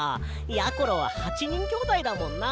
やころは８にんきょうだいだもんな。